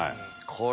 これ。